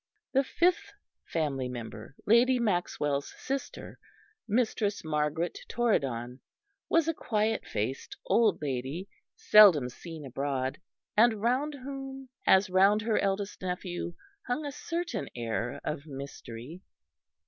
The fifth member of the family, Lady Maxwell's sister, Mistress Margaret Torridon, was a quiet faced old lady, seldom seen abroad, and round whom, as round her eldest nephew, hung a certain air of mystery.